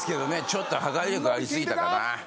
ちょっと破壊力あり過ぎたかな。